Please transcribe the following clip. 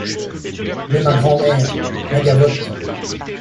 Mais ma grand’mère — la gavotte !